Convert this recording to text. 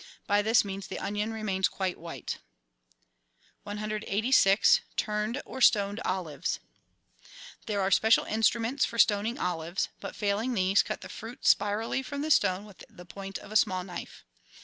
By this means the onion remains quite white. i86— TURNED OR STONED OLIVES There are special instruments for stoning olives, but, failing these, cut the fruit spirally from the stone with the point of a small knife.